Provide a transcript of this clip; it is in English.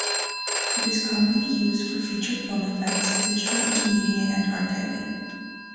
It is commonly used for feature film effects, Digital Intermediate and archiving.